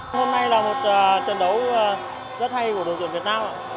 hôm nay là một trận đấu rất hay của đội tuyển việt nam